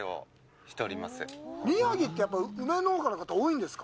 宮城って、やっぱり梅農家の方が多いんですか。